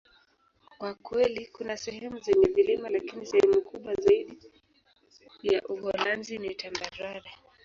Kwa kweli, kuna sehemu zenye vilima, lakini sehemu kubwa zaidi ya Uholanzi ni tambarare.